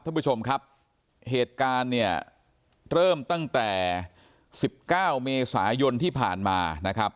ท่านผู้ชมครับเหตุการณ์เนี่ยเริ่มตั้งแต่๑๙เมษายนที่ผ่านมานะครับ